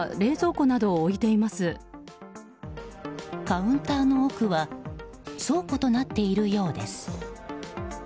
カウンターの奥は倉庫となっているようです。